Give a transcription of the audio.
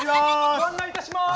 ご案内いたします。